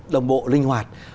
đồng bộ linh hoạt